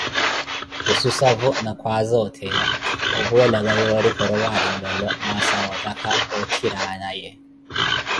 Khususavo na khwaaza otheya, oopuwelaka yoori Khoropa aari nlolo mwaasa wootakha otthira nawe.